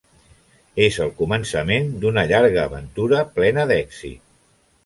És el començament d'una llarga aventura plena d'èxit.